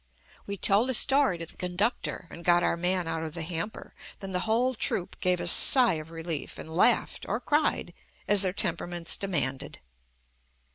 We told the story to the conductor and got our man out of the hamper, then the whole troupe gave a sigh of relief and laughed or cried as their temperaments demanded.